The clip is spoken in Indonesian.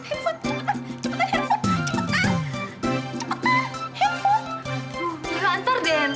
oh harusnya punya hopeless